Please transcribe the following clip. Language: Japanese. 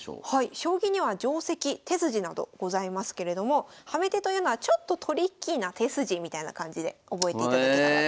将棋には定跡手筋などございますけれどもハメ手というのはちょっとトリッキーな手筋みたいな感じで覚えていただけたらと。